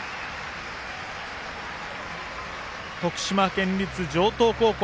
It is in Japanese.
徳島県立城東高校。